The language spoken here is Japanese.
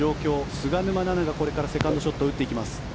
菅沼菜々がこれからセカンドショットを打っていきます。